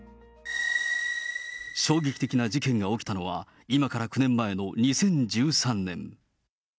衝撃的な事件が起きたのは、今から９年前の２０１３年。